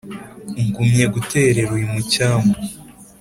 Ngumye guterera uyu mucyamu